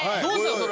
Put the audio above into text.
それ。